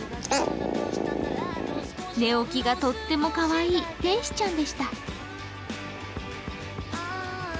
寝起きがとってもかわいい天使ちゃんでした。